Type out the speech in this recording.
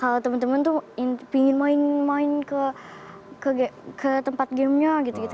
kalau temen temen tuh pingin main ke tempat gamenya gitu gitu